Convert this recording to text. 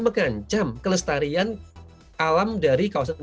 mengancam kelestarian alam dari kawasan